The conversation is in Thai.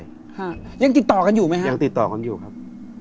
อเจมส์ยังติดต่อกันอยู่มั้ยครับอเจมส์ยังติดต่อกันอยู่ครับ